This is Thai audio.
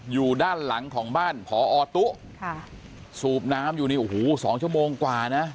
อยู่ด้านหลังของบ้านพอตุ๊ค่ะสูบน้ำอยู่นี่โอ้โหสองชั่วโมงกว่านะ